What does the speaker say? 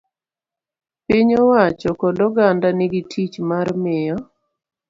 Piny owacho kod oganda nigi tich mar miyo